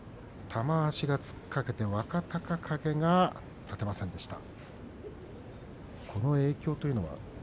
玉鷲が突っかけて若隆景立てませんでした。